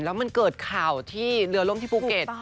แล้วมันเกิดข่าวที่เรือล่มที่ภูเก็ต